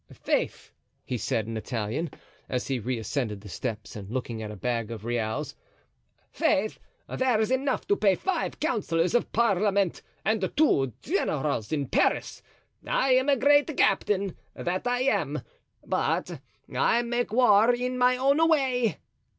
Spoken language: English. "Faith," he said, in Italian, as he was reascending the steps and looking at a bag of reals, "faith, there's enough to pay five councillors of parliament, and two generals in Paris. I am a great captain—that I am! but I make war in my own way."